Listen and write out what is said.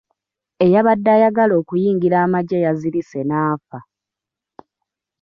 Eyabadde ayagala okuyingira amagye yazirise n'afa.